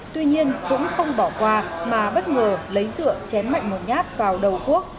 tuy nhiên dũng không bỏ qua mà bất ngờ lấy dựa chém mạnh một nhát vào đầu quốc